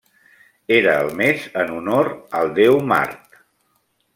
Era el mes en honor al déu Mart.